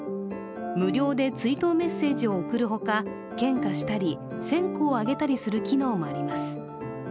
無料で追悼メッセージを送るほか、献花したり、線香を上げたりする機能もあります。